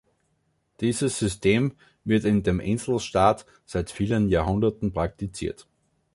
Dieses System wird in dem Inselstaat seit vielen Jahrhunderten praktiziert.